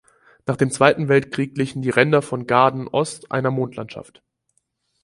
Nach dem Zweiten Weltkrieg glichen die Ränder von Gaarden-Ost einer Mondlandschaft.